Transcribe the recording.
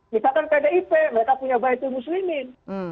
dikatan pdip mereka punya bahaya itu muslimin